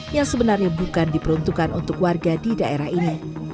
yang sebenarnya bukan diperuntukkan untuk warga di daerah ini